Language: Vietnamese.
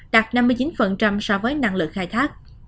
đạt năm mươi chín so với năng lực khai thác